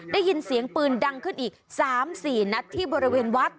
ได้ยินเสียงปืนดังขึ้นอีก๓๔นัดที่บริเวณวัด